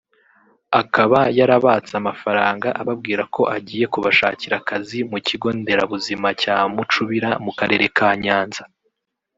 akaba yarabatse amafaranga ababwira ko agiye kubashakira akazi mu kigo nderabuzima cya Mucubira mu karere ka Nyanza